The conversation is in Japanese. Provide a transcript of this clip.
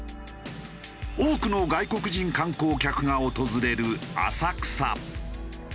多くの外国人観光客が訪れる浅草。